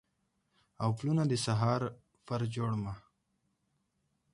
او پلونه د سهار پر جوړمه